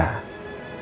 salah satu pasien ibu